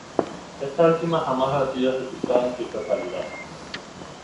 Esta última jamás ha sido ejecutada en su totalidad.